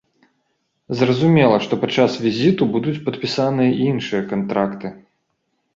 Зразумела, што падчас візіту будуць падпісаныя і іншыя кантракты.